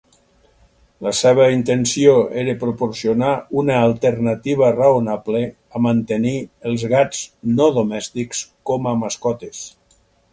La seva intenció era proporcionar una alternativa raonable a mantenir els gats no domèstics com a mascotes.